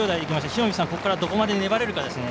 塩見さん、ここからどれだけ粘れるかですね。